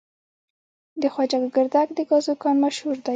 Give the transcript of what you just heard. د خواجه ګوګردک د ګازو کان مشهور دی.